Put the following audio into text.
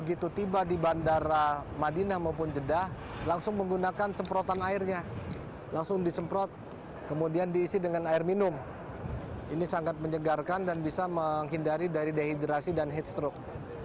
ketika diberi kekuatan kesehatan haji diperkirakan bisa menghindari dari dehidrasi dan heatstroke